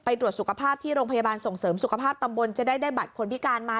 ตรวจสุขภาพที่โรงพยาบาลส่งเสริมสุขภาพตำบลจะได้บัตรคนพิการมา